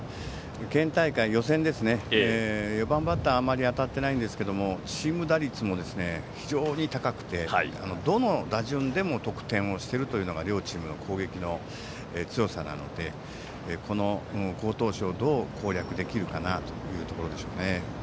県大会予選、４番バッターはあまり当たっていないんですがチーム打率も非常に高くてどの打順でも得点をしているというのが攻撃の強さなので、好投手をどう攻略できるかなというところでしょうね。